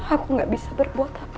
aku gak bisa berbuat apa